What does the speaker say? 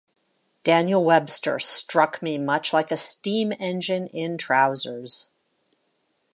Daniel Webster struck me much like a steam-engine in trousers.